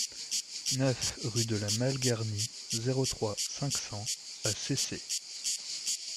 neuf rue de la Malgarnie, zéro trois, cinq cents à Cesset